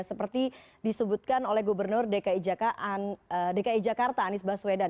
seperti disebutkan oleh gubernur dki jakarta anies baswedan